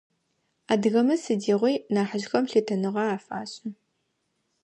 Адыгэмэ сыдигъуи нахьыжъхэм лъытэныгъэ афашӏы.